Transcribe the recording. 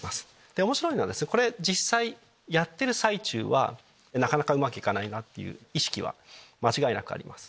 面白いのはこれ実際やってる最中はなかなかうまくいかないなって意識は間違いなくあります。